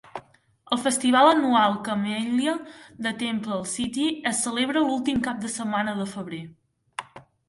El Festival Anual Camellia de Temple City es celebra l'últim cap de setmana de febrer.